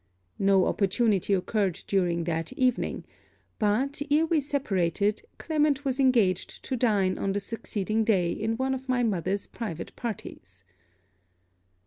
No opportunity occurred during that evening; but, ere we separated, Clement was engaged to dine on the succeeding day in one of my mother's private parties.